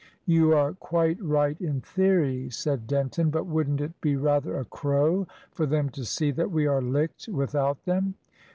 "You are quite right in theory," said Denton; "but wouldn't it be rather a crow for them to see that we are licked without them?"